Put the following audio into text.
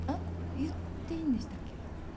言っていいんでしたっけ？